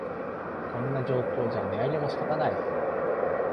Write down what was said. こんな状況じゃ値上げも仕方ない